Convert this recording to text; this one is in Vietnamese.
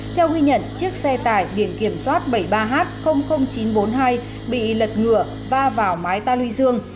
theo ghi nhận chiếc xe tải biển kiểm soát bảy mươi ba h chín trăm bốn mươi hai bị lật ngựa va vào mái ta luy dương